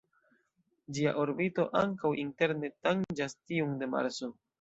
Ĝia orbito ankaŭ interne tanĝas tiun de Marso.